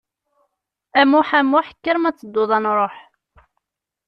A Muḥ a Muḥ, kker ma tedduḍ ad nṛuḥ.